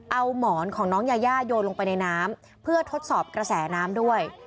เอาหมอนของน้องยาย่าโยนลงไปในน้ำเพื่อทดสอบกระแสน้ำด้วย